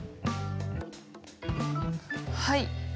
はい。